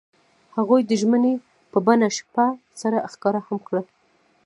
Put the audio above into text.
هغوی د ژمنې په بڼه شپه سره ښکاره هم کړه.